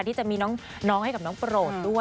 ที่จะมีน้องให้กับน้องโปรดด้วย